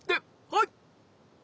はい！